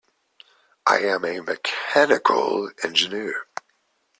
I am a mechanical engineer.